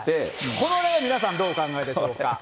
これね、皆さん、どうお考えでしょうか。